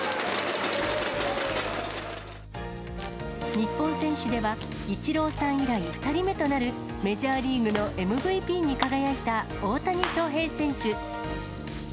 日本選手では、イチローさん以来２人目となるメジャーリーグのＭＶＰに輝いた大谷翔平選手。